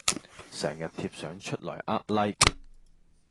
成日貼相出來呃 like